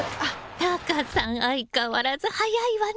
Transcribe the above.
タカさん相変わらず早いわね！